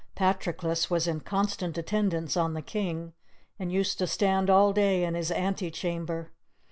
Patroclus was in constant attendance on the King, and used to stand all day in his antechamber.